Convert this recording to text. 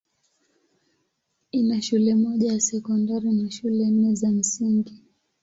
Ina shule moja ya sekondari na shule nne za msingi.